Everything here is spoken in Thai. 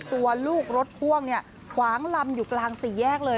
ตัวลูกรถพ่วงเนี่ยขวางลำอยู่กลางสี่แยกเลย